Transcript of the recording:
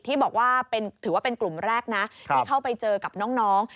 ที่ถือว่าเป็นกลุ่มแรกนะให้เข้าไปเจอกับน้อง